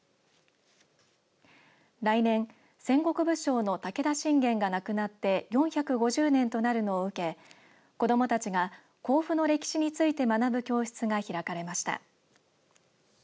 来年、戦国武将の武田信玄が亡くなって４５０年となるのを受け子どもたちが甲府の歴史について学ぶ教室が開かれました。